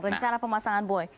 rencana pemasangan buoy